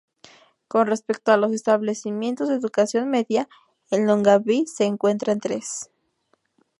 Con respecto a los establecimientos de educación media, en Longaví se cuentan tres.